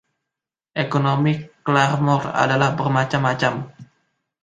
Ekonomi Claremore ada bermacam-macam.